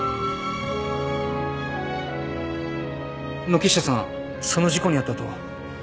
軒下さんその事故に遭った後甘春院長